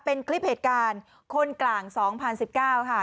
เป็นคลิปเหตุการณ์คนกลาง๒๐๑๙ค่ะ